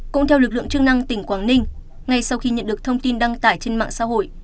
cũng theo lực lượng chức năng tỉnh quảng ninh ngay sau khi nhận được thông tin đăng tải trên mạng xã hội